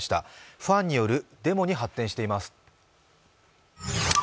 ファンによるデモに発展しています。